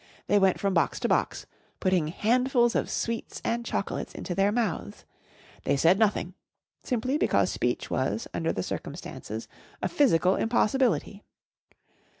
They went from box to box, putting handfuls of sweets and chocolates into their mouths. They said nothing, simply because speech was, under the circumstances, a physical impossibility.